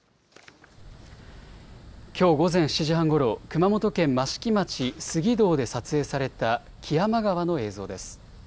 きょう午前７時半ごろ熊本県益城町杉堂で撮影された木山川の映像です。